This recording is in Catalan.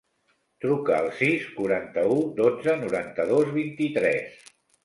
Truca al sis, quaranta-u, dotze, noranta-dos, vint-i-tres.